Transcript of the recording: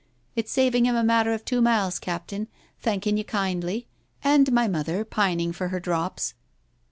It's saving him a matter of two miles, Captain, thanking you kindly, and my mother pining for her drops."